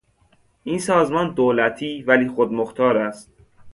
این سازمان دولتی، ولی خودمختار است.